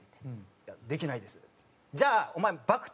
「いやできないです」っつって。